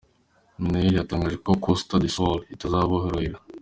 Minnaert yatangaje ko Costa Do Sol itazaborohera.